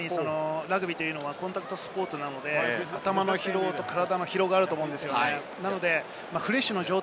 ラグビーというのはコンタクトスポーツなので、頭の疲労と体の疲労があると思うんです。